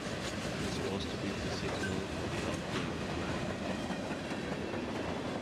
This was to be the signal for the outbreak of revolution.